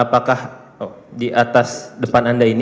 apakah di atas depan anda ini